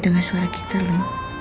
denger suara kita lo